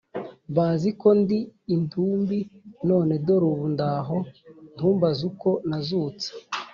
Bazi ko ndi intumbi None dore ubu ndaho Ntumbaze uko nazutse!